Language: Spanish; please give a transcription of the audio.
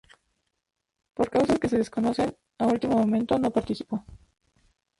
Por causas que se desconocen, a último momento no participó.